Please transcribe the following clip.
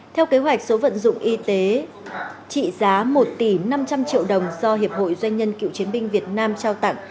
theo kế hoạch số vận dụng y tế trị giá một tỷ năm trăm linh triệu đồng do hiệp hội doanh nhân cựu chiến binh việt nam trao tặng